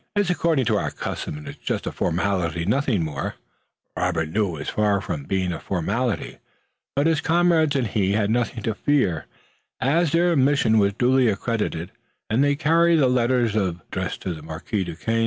It's according to our custom, and it's just a formality, nothing more." Robert knew that it was far from being a formality, but his comrades and he had nothing to fear, as their mission was duly accredited and they carried the letters to the Marquis Duquesne.